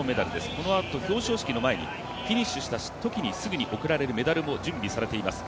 このあと表彰式の前に、フィニッシュしたあとすぐに贈られるメダルも準備されています。